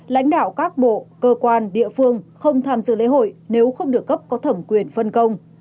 lãnh đạo các bộ cơ quan địa phương không tham dự lễ hội nếu không được cấp có thẩm quyền phân công